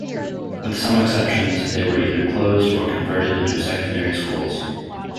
With some exceptions, they were either closed or converted into secondary schools.